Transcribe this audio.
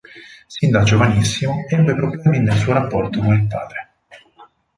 Sin da giovanissimo ebbe problemi nel suo rapporto con il padre.